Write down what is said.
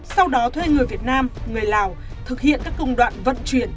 sau đó thuê người việt nam người lào thực hiện các công đoạn vận chuyển